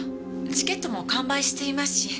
チケットも完売していますし。